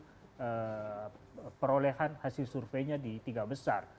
partai ini selalu stabil perolehan hasil surveinya di tiga besar